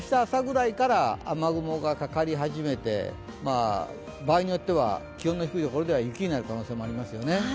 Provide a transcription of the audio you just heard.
朝ぐらいから雨雲がかかり始めて場合によっては、気温の低いところでは雪になる可能性もありますよね。